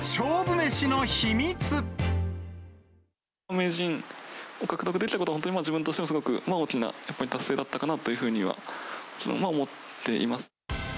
名人を獲得できたことは、本当に自分としてもすごく大きなやっぱり、達成だったかなというふうには思っています。